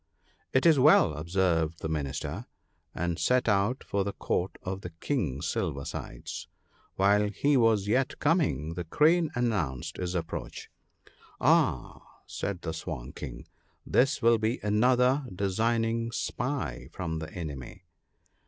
' It is well,' observed the Minister, and set out for the Court of the King Silver sides. While he was yet coming, the Crane announced his approach. ,' Ah !' said the Swan King, ' this will be another de signing spy from the enemy.'